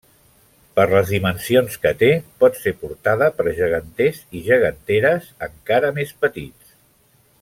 Per les dimensions que té, pot ser portada per geganters i geganteres encara més petits.